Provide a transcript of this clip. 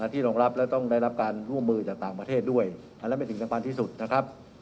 รองรับและต้องได้รับการร่วมมือจากต่างประเทศด้วยอันนั้นเป็นสิ่งสำคัญที่สุดนะครับ